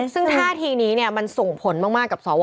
ซึ่งท่าทีนี้มันส่งผลมากกับสว